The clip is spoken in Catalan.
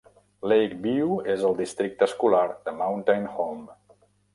Lakeview es al districte escolar de Mountain Home.